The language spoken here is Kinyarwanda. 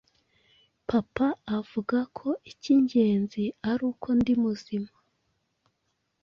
Papa avuga ko icy'ingenzi ari uko ndi muzima.